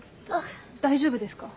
大丈夫ですか？